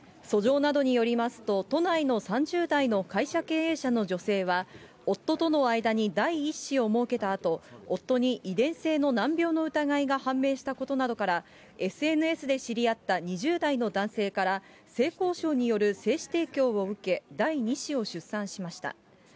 訴状などによりますと、都内の３０代の会社経営者の女性は、夫との間に第１子をもうけたあと、夫に遺伝性の難病の疑いが判明したことなどから、ＳＮＳで知り合った２０代の男性から、性交渉による精子提供を受け、第２子を出産しました。